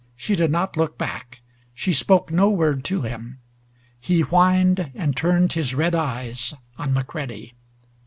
She did not look back. She spoke no word to him. He whined, and turned his red eyes on McCready.